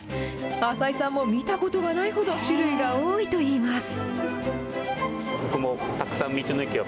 浅井さんも見たことがないほど種類が多いといいます。